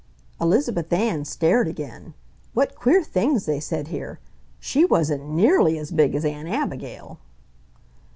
Elizabeth Ann stared again. What queer things they said here. She wasn't NEARLY as big as Aunt Abigail!